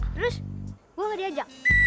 terus gua gak diajak